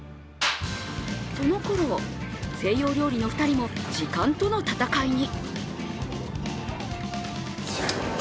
そのころ、西洋料理の２人も時間との闘いに。